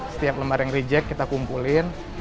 setiap lembar yang reject kita kumpulin